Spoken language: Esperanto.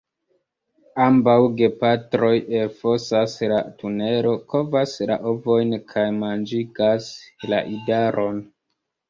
Ambaŭ gepatroj elfosas la tunelo, kovas la ovojn kaj manĝigas la idaron.